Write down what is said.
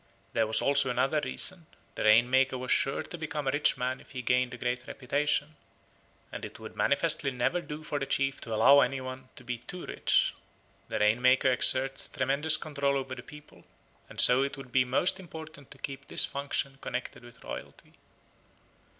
There was also another reason: the Rain maker was sure to become a rich man if he gained a great reputation, and it would manifestly never do for the chief to allow any one to be too rich. The Rain maker exerts tremendous control over the people, and so it would be most important to keep this function connected with royalty.